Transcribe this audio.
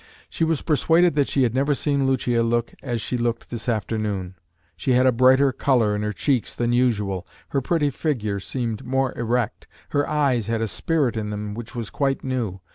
She was persuaded that she had never seen Lucia look as she looked this afternoon. She had a brighter color in her cheeks than usual, her pretty figure seemed more erect, her eyes had a spirit in them which was quite new.